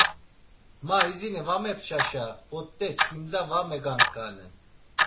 Ma izini va mepçaşa p̆ot̆e çkimda va megankalen.